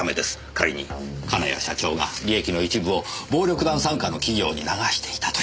仮に金谷社長が利益の一部を暴力団傘下の企業に流していたとしたら。